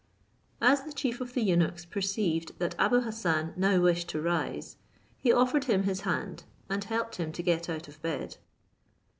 As the chief of the eunuchs perceived that Abou Hassan now wished to rise, he offered him his hand, and helped him to get out of bed.